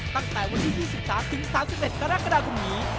ตั้งแต่วันที่๒๓๓๑กรกฎาคมนี้